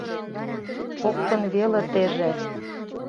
— Коктын веле теже